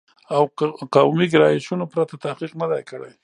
او قومي ګرایشونو پرته تحقیق نه دی کړی